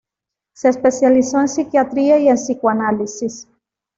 Se especializó en psiquiatría y en psicoanálisis.